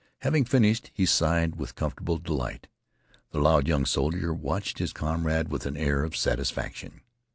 Having finished, he sighed with comfortable delight. The loud young soldier watched his comrade with an air of satisfaction.